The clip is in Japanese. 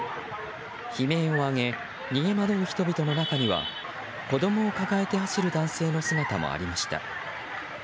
悲鳴を上げ逃げ惑う人々の中には子供を抱えて走る男性の姿もありました。